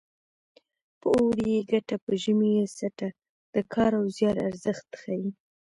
په اوړي یې ګټه په ژمي یې څټه د کار او زیار ارزښت ښيي